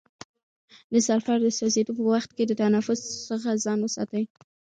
د سلفر د سوځیدو په وخت کې د تنفس څخه ځان وساتئ.